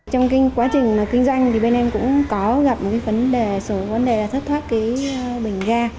trong quá trình kinh doanh bên em cũng gặp một số vấn đề là thất thoát bình ga